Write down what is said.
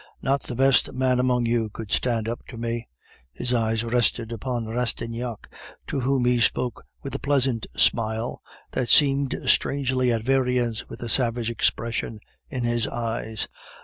Not the best man among you could stand up to me." His eyes rested upon Rastignac, to whom he spoke with a pleasant smile that seemed strangely at variance with the savage expression in his eyes.